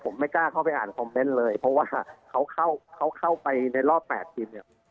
ผมไม่กล้าเข้าไปอ่านคอมเมนต์เลยเพราะว่าเขาเข้าเขาเข้าไปในรอบ๘ทีมเนี่ย